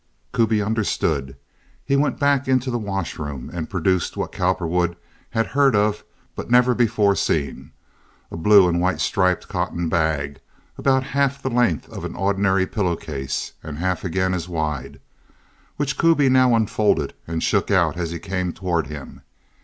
Kuby understood. He went back into the wash room and produced what Cowperwood had heard of but never before seen—a blue and white striped cotton bag about half the length of an ordinary pillow case and half again as wide, which Kuby now unfolded and shook out as he came toward him.